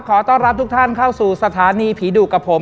ขอต้อนรับทุกท่านเข้าสู่สถานีผีดุกับผม